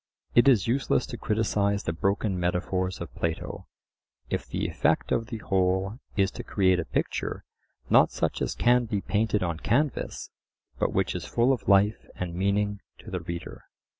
It is useless to criticise the broken metaphors of Plato, if the effect of the whole is to create a picture not such as can be painted on canvas, but which is full of life and meaning to the reader.